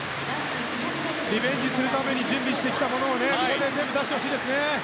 リベンジするために準備してきたことをここで全部、出してほしいです。